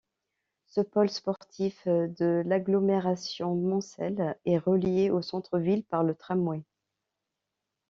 Ce pôle sportif de l'agglomération mancelle est reliée au centre ville par le tramway.